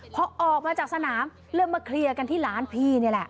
พอออกมาจากสนามเริ่มมาเคลียร์กันที่ร้านพี่นี่แหละ